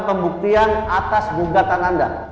pembuktian atas gugatan anda